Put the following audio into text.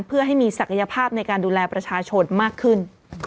เพื่อให้มีศักยภาพในการดูแลประชาชนมากขึ้น